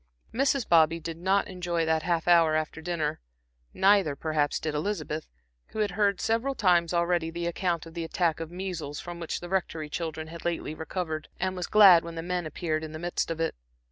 Mrs. Bobby did not enjoy that half hour after dinner; neither, perhaps, did Elizabeth, who had heard several times already the account of the attack of measles from which the Rectory children had lately recovered, and was glad when the men appeared in the midst of it.